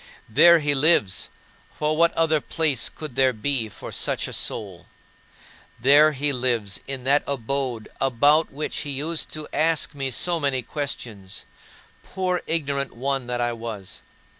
There he lives; for what other place could there be for such a soul? There he lives in that abode about which he used to ask me so many questions poor ignorant one that I was.